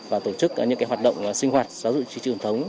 và tổ chức những hoạt động sinh hoạt giáo dục trí trị ổn thống